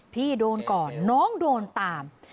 พี่โดนก่อนน้องโดนตาม